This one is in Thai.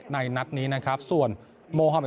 ใครจะต่อสมัย